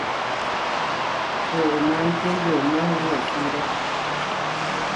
Toomanté yomá mesúre.